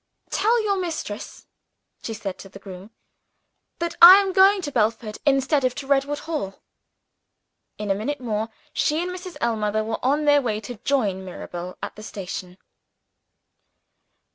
"Tell your mistress," she said to the groom, "that I am going to Belford instead of to Redwood Hall." In a minute more, she and Mrs. Ellmother were on their way to join Mirabel at the station.